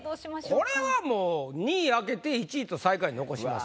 これはもう２位開けて１位と最下位残します。